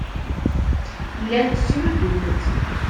Llant ttnuddument.